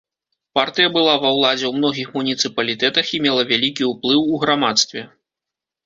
Партыя была ва ўладзе ў многіх муніцыпалітэтах і мела вялікі ўплыў у грамадстве.